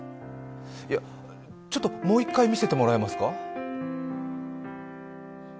いや、ちょっともう一回見せてもらえますか？